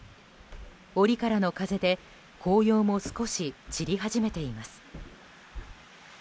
折からの風で、紅葉も少し散り始めています。